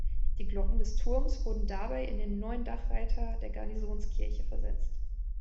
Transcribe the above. Die Glocken des Turms wurden dabei in den neuen Dachreiter der Garnisonkirche versetzt.